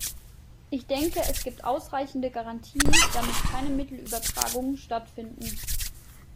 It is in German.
Ich denke, es gibt ausreichende Garantien, damit keine Mittelübertragungen stattfinden.